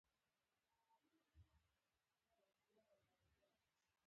کورس د ازموینو تیاري کې مرسته کوي.